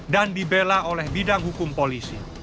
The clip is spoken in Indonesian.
dan dibela oleh bidang hukum polisi